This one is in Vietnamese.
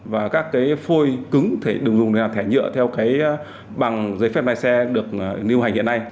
và các phôi cứng đừng dùng để làm thẻ nhựa theo bằng giấy phép lái xe được nêu hành hiện nay